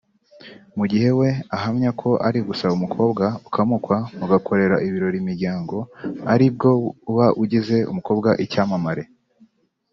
mu gihe we ahamya ko ari gusaba umukobwa ukamukwa mugakorera ibirori imiryango ari bwo uba ugize umukobwa icyamamare